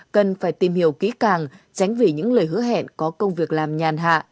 cần phải tìm hiểu kỹ càng tránh vì những lời hứa hẹn có công việc làm nhàn hạ